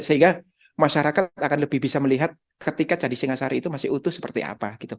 sehingga masyarakat akan lebih bisa melihat ketika candi singasari itu masih utuh seperti apa gitu